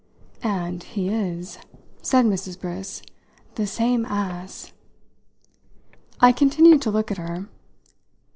"And he is," said Mrs. Briss, "the same ass!" I continued to look at her.